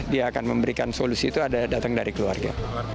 dia akan memberikan solusi itu ada datang dari keluarga